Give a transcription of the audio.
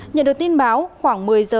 nhận được tin báo khoảng một mươi h